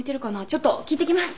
ちょっと聞いてきます。